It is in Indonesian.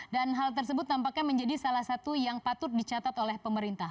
dan hal tersebut tampaknya menjadi salah satu yang patut dicatat oleh pemerintah